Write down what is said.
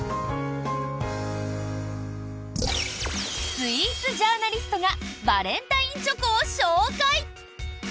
スイーツジャーナリストがバレンタインチョコを紹介！